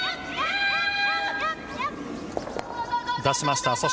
出しました。